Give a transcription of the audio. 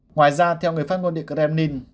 ngoài ra theo người phát ngôn địa kremlin